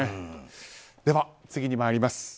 では、次に参ります。